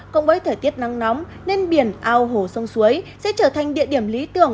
cùng với thời tiết nắng nóng nên biển ao hồ sông suối sẽ trở thành địa điểm lý tưởng